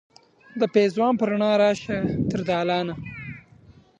د پیزوان په روڼا راشه تر دالانه